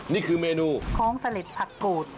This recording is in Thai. นี่คือเมนูโค้งสลิดผักกูด